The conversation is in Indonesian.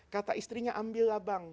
kata istrinya ambillah bang